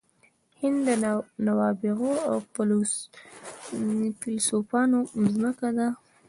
هند د نوابغو او فیلسوفانو مځکه ده.